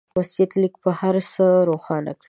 وصيت ليک به هر څه روښانه کړي.